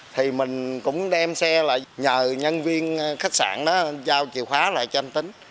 thì mình cũng đem xe lại nhờ nhân viên khách sạn đó giao chìa khóa lại cho anh tính